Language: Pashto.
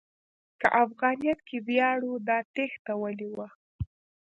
که افغانیت کې ویاړ و، دا تېښته ولې وه؟